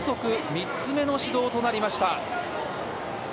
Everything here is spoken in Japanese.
３つ目の指導となりました。